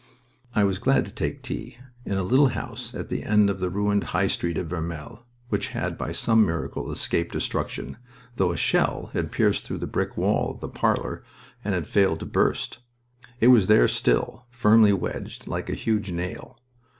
I was glad to take tea in a little house at the end of the ruined high street of Vermelles which had by some miracle escaped destruction, though a shell had pierced through the brick wall of the parlor and had failed to burst. It was there still, firmly wedged, like a huge nail.